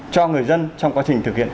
cho người dân trong quá trình thực hiện